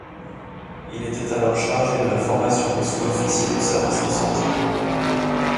Il était alors chargé de la formation des sous-officiers du service de santé.